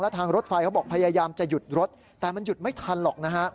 ทางรถไฟเขาบอกพยายามจะหยุดรถแต่มันหยุดไม่ทันหรอกนะฮะ